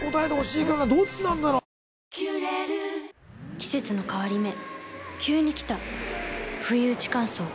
季節の変わり目急に来たふいうち乾燥。